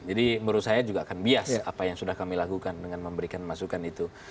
jadi menurut saya juga akan bias apa yang sudah kami lakukan dengan memberikan masukan itu